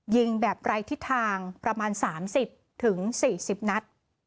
ยิงแบบไร้ทิศทางประมาณ๓๐๔๐นัด